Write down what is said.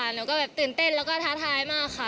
แล้วก็ตื่นเต้นแล้วก็ท้าท้ายมากค่ะ